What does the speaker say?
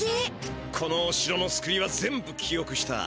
このお城のつくりは全部記おくした。